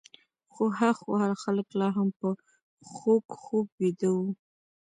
خو هخوا خلک لا هم په خوږ خوب ویده وو.